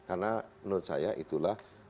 karena menurut saya itulah